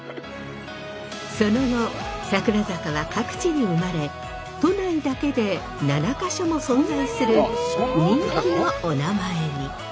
その後桜坂は各地に生まれ都内だけで７か所も存在する人気のお名前に。